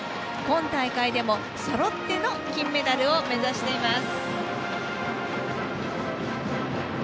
今大会でも、そろっての金メダルを目指しています。